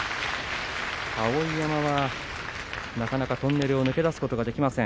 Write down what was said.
碧山はなかなかトンネルを抜け出すことができません。